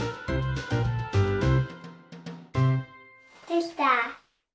できた！